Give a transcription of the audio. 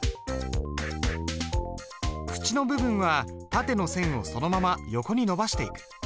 口の部分は縦の線をそのまま横に伸ばしていく。